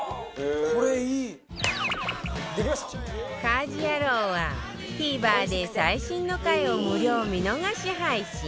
『家事ヤロウ！！！』は ＴＶｅｒ で最新の回を無料見逃し配信